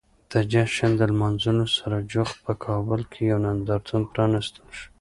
د جشن لمانځلو سره جوخت په کابل کې یو نندارتون پرانیستل شو.